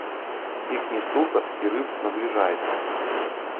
Іхні стукат і рып набліжаецца.